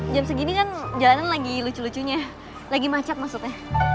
jam segini kan jalanan lagi lucu lucunya lagi macet maksudnya